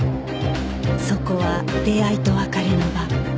そこは出会いと別れの場